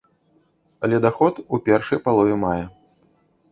Ледаход у першай палове мая.